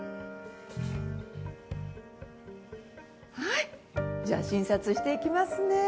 はいじゃあ診察していきますね。